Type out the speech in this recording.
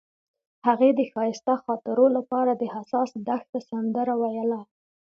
هغې د ښایسته خاطرو لپاره د حساس دښته سندره ویله.